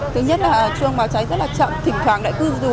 thứ nhất là chuông báo cháy rất là chậm thỉnh thoảng lại cư rú